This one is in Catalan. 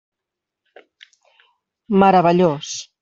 Meravellós.